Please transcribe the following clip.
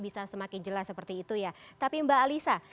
bisa semakin jelas seperti itu ya tapi mbak alisa